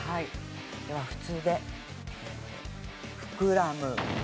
では普通で膨らむ。